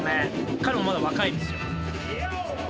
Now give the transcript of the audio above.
彼もまだ若いんですよ。